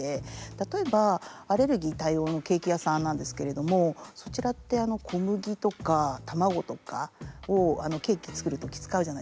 例えばアレルギー対応のケーキ屋さんなんですけれどもそちらって小麦とか卵とかをケーキ作る時使うじゃないですか。